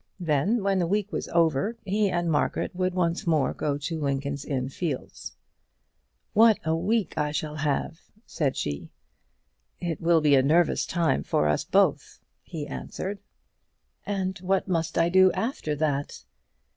Then when the week was over, he and Margaret would once more go to Lincoln's Inn Fields. "What a week I shall have!" said she. "It will be a nervous time for us both," he answered. "And what must I do after that?"